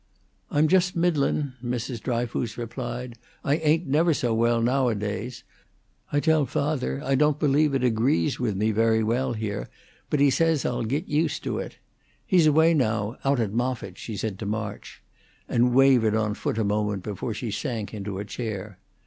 "I'm just middlin'," Mrs. Dryfoos replied. "I ain't never so well, nowadays. I tell fawther I don't believe it agrees with me very well here, but he says I'll git used to it. He's away now, out at Moffitt," she said to March, and wavered on foot a moment before she sank into a chair.